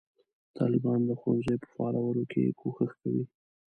طالبان د ښوونځیو په فعالولو کې کوښښ کوي.